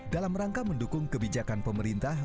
dalam rangka mendukung kebijakan pemerintah